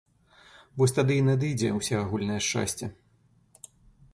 Вось тады і надыдзе ўсеагульнае шчасце.